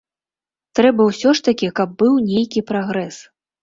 Трэба ўсё ж такі, каб быў нейкі прагрэс.